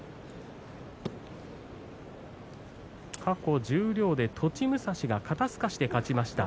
過去十両で栃武蔵が肩すかしで勝ちました。